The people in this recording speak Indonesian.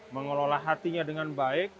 mengelola hatinya dengan baik